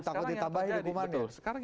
takut ditambahin hukumannya